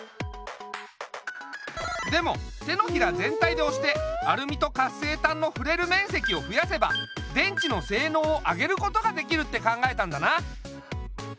でも手のひら全体でおしてアルミと活性炭のふれるめんせきをふやせば電池のせいのうを上げることができるって考えたんだな。